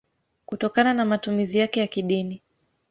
kutokana na matumizi yake ya kidini.